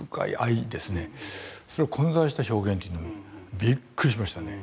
それが混在した表現というのにびっくりしましたね。